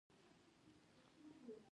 که تاسو ودانۍ جوړوئ او ناڅاپه مېخ ماتیږي.